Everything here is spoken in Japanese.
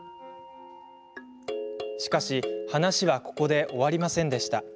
しかし、話はここで終わりませんでした。